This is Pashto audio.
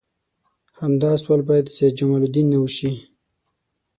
همدا سوال باید د سید جمال الدین نه وشي.